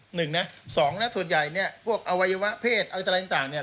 หนึ่งนะสองนะส่วนใหญ่เนี่ยพวกอวัยวะเพศอะไรต่างเนี่ย